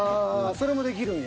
それもできるんや。